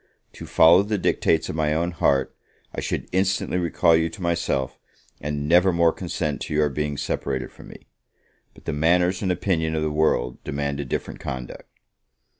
To follow the dictates of my own heart, I should instantly recall you to myself, and never more consent to your being separated from me; but the manners and opinion of the world demand a different conduct.